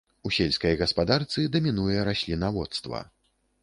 У сельскай гаспадарцы дамінуе раслінаводства.